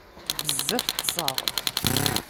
Bezzaf ṭṭseɣ.